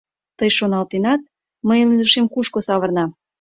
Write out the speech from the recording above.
Тый шоналтенат, мыйын илышем кушко савырна?